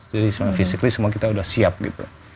jadi sebenarnya physically semua kita udah siap gitu